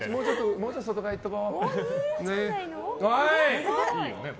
もうちょっと外側いっとこ。